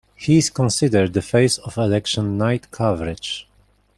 He is considered "the face of election night coverage".